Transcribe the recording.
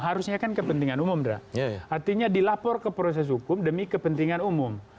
harusnya kan kepentingan umum dra artinya dilapor ke proses hukum demi kepentingan umum